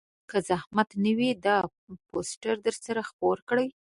که زحمت نه وي دا پوسټر درسره خپور کړئ